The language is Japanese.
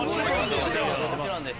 もちろんです。